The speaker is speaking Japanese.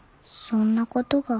そんなことが。